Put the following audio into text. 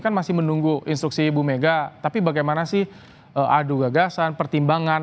kan masih menunggu instruksi ibu mega tapi bagaimana sih adu gagasan pertimbangan